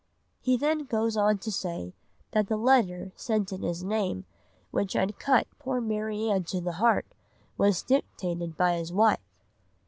'" He then goes on to say that the letter sent in his name, which had cut poor Marianne to the heart, was dictated by his wife.